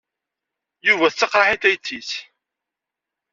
Yuba t tteqṛaḥ-it tayett-is.